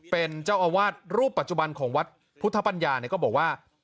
เป็นเจ้าอาวาสรูปปัจจุบันของวัดพุทธปัญญาก็บอกว่า